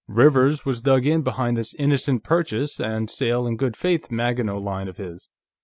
Rivers was dug in behind this innocent purchase and sale in good faith Maginot Line of his.